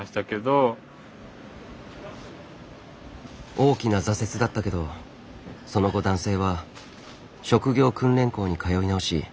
大きな挫折だったけどその後男性は職業訓練校に通い直し